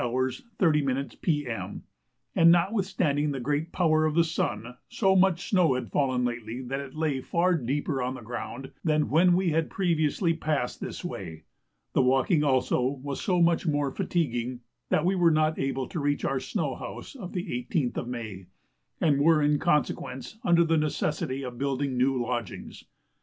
30m. P.M., and notwithstanding the great power of the sun, so much snow had fallen lately that it lay far deeper on the ground than when we had previously passed this way. The walking also was so much more fatiguing, that we were not able to reach our snow house of the 18th of May, and were in consequence under the necessity of building new lodgings.